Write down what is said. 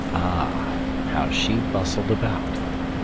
Ah, how she bustled about.